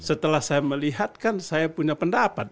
setelah saya melihat kan saya punya pendapat